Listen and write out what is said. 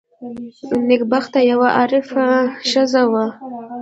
نېکبخته یوه عارفه ښځه وه.